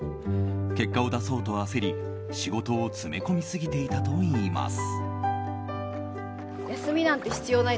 結果を出そうと焦り、仕事を詰め込みすぎていたといいます。